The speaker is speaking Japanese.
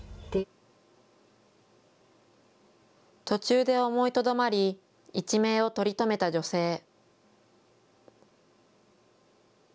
途中で思いとどまり一命を取り留めた女性。